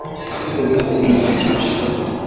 Kupika viazi bila kuvichemsha